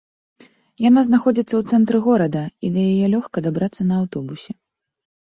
Яна знаходзіцца ў цэнтры горада і да яе лёгка дабрацца на аўтобусе.